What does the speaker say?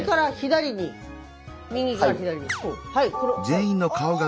はい。